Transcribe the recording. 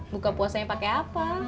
buka puasanya pakai apa